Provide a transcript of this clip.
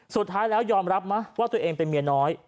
สุดท้ายแล้วยอมรับไหมว่าตัวเองเป็นเมียน้อย